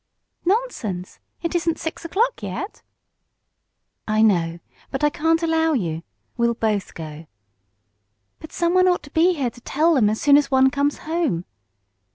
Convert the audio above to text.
"Nonsense! It isn't six o'clock yet." "I know. But I can't allow you. We'll both go." "But someone ought to be here to tell them as soon as one comes home."